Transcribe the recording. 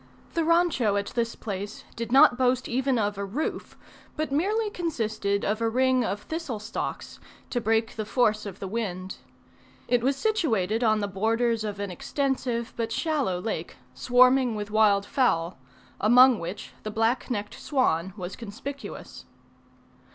The rancho at this place did not boast even of a roof, but merely consisted of a ring of thistle stalks, to break the force of the wind. It was situated on the borders of an extensive but shallow lake, swarming with wild fowl, among which the black necked swan was conspicuous.